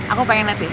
aku pengen nanti